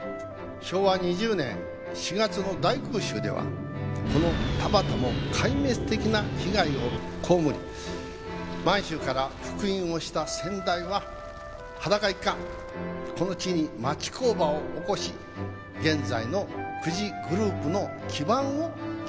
「昭和２０年４月の大空襲ではこの田端も壊滅的な被害を被り満州から復員をした先代は裸一貫この地に町工場を起こし現在の久慈グループの基盤を築いたのであります」